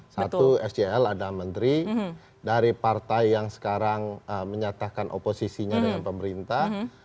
satu scl ada menteri dari partai yang sekarang menyatakan oposisinya dengan pemerintah